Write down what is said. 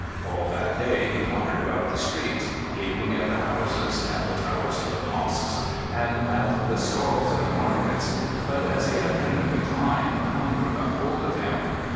All that day he wandered about the streets, gaping at the houses, at the towers of the mosques, and at the stalls in the markets, but as the afternoon declined, hunger got hold of him.